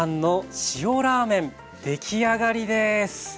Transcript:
出来上がりです。